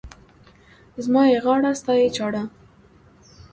زما يې غاړه، ستا يې چاړه.